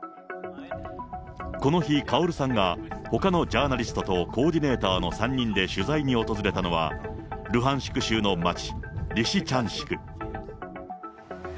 この日、カオルさんがほかのジャーナリストとコーディネーターの３人で取材に訪れたのは、ルハンシク州の町、リシチャンシク。